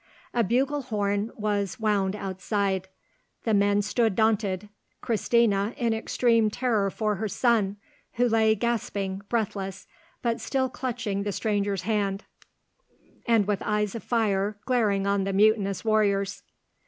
A bugle horn was wound outside. The men stood daunted—Christina in extreme terror for her son, who lay gasping, breathless, but still clutching the stranger's hand, and with eyes of fire glaring on the mutinous warriors.